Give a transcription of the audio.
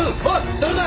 誰だ！？